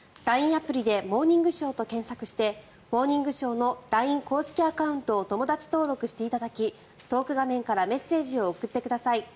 アプリで「モーニングショー」と検索をして「モーニングショー」のＬＩＮＥ公式アカウントを友だち登録していただきトーク画面からメッセージを送ってください。